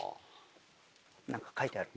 何か書いてある。